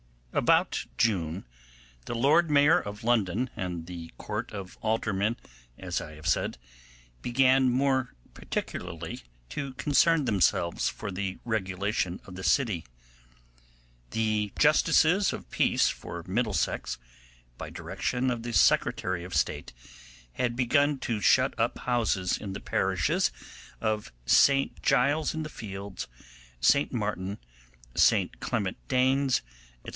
About June the Lord Mayor of London and the Court of Aldermen, as I have said, began more particularly to concern themselves for the regulation of the city. The justices of Peace for Middlesex, by direction of the Secretary of State, had begun to shut up houses in the parishes of St Giles in the Fields, St Martin, St Clement Danes, &c.